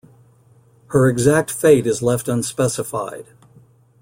Her exact fate is left unspecified.